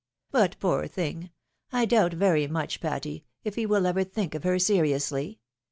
But, poor thing ! I doubt very much, Patty, if he wiH ever think of her seriously.